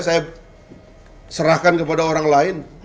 saya serahkan kepada orang lain